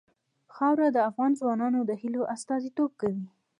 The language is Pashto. خاوره د افغان ځوانانو د هیلو استازیتوب کوي.